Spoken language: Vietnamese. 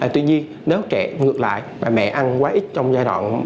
tuy nhiên nếu trẻ ngược lại và mẹ ăn quá ít trong giai đoạn